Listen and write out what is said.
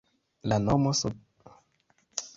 La nomo signifas: Balatono-nova-loĝej'.